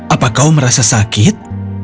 apa kau merasa sakit